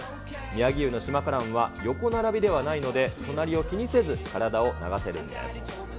宮城湯の島カランは、横並びではないので、隣を気にせず体を流せるんです。